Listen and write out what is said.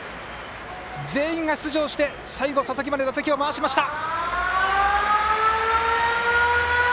全員が出場して最後、佐々木まで打席を回しました。